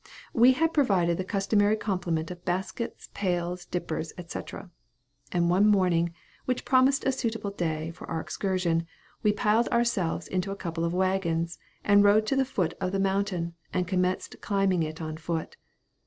We had provided the customary complement of baskets, pails, dippers, &c. and one morning, which promised a suitable day for our excursion, we piled ourselves into a couple of waggons, and rode to the foot of the mountain and commenced climbing it on foot.